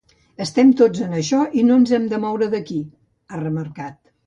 Estem tots en això i no ens mourem d’aquí, ha remarcat.